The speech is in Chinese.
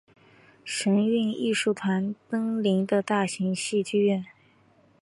神韵艺术团登临的大型戏剧院。